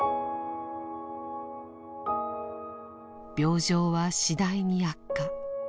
病状は次第に悪化。